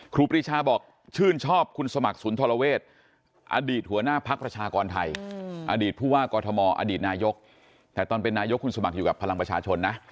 ครีชาบอกชื่นชอบคุณสมัครสุนทรเวศอดีตหัวหน้าพักประชากรไทยอดีตผู้ว่ากอทมอดีตนายกแต่ตอนเป็นนายกคุณสมัครอยู่กับพลังประชาชนนะ